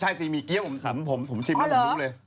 จากกระแสของละครกรุเปสันนิวาสนะฮะ